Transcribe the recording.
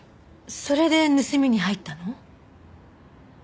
それで盗みに入ったの？